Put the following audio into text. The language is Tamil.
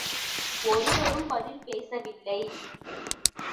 ஒருவரும் பதில் பேசவில்லை.